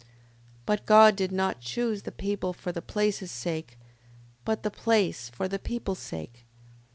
5:19. But God did not choose the people for the place's sake, but the place for the people's sake.